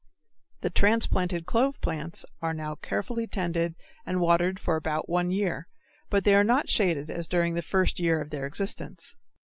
The transplanted clove plants are now carefully tended and watered for about one year, but they are not shaded as during the first year of their existence.